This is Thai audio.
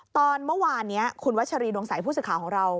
ตอนเมื่อวานนี้คุณวัชรีดวงใสผู้สื่อข่าวของเรา